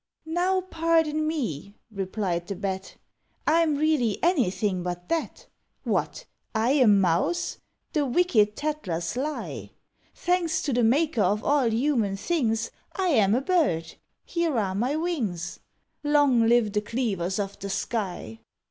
"Now, pardon me," replied the Bat, "I'm really anything but that. What! I a mouse? the wicked tattlers lie. Thanks to the Maker of all human things, I am a bird here are my wings: Long live the cleavers of the sky!"